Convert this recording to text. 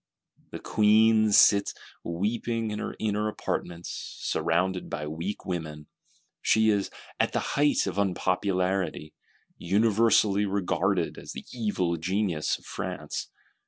—The Queen sits weeping in her inner apartments, surrounded by weak women: she is "at the height of unpopularity;" universally regarded as the evil genius of France.